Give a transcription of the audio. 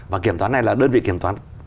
và kiểm toán này là đơn vị kiểm toán